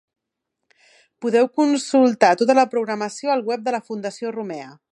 Podeu consultar tota la programació, al web de la Fundació Romea.